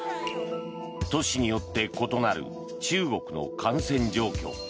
都市によって異なる中国の感染状況。